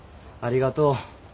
ありがとう。